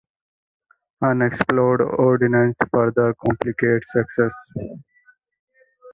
Unexploded ordnance further complicates access.